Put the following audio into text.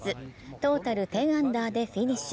トータル１０アンダーでフィニッシュ。